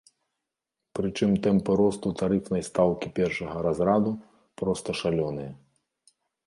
Прычым тэмпы росту тарыфнай стаўкі першага разраду проста шалёныя.